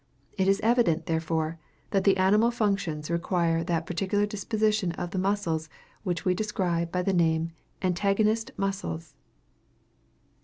It is evident, therefore, that the animal functions require that particular disposition of the muscles which we describe by the name of antagonist muscles."